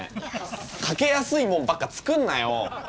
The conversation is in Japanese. かけやすいもんばっか作んなよ！